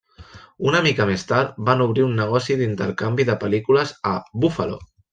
Una mica més tard, van obrir un negoci d'intercanvi de pel·lícules a Buffalo.